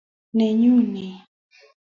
Nanyu ni